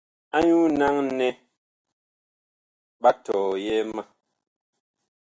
Anyuu naŋ nɛ ɓa tɔyɛɛ ma.